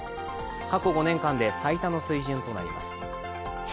過去５年間で最多の水準となります